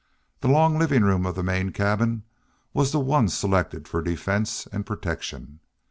The long living room of the main cabin was the one selected for defense and protection.